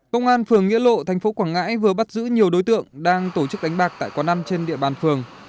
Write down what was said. công an phường nghĩa lộ tp quảng ngãi vừa bắt giữ nhiều đối tượng đang tổ chức đánh bạc tại quán ăn trên địa bàn phường